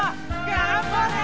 頑張れ！